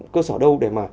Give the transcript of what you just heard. cơ sở đâu để mà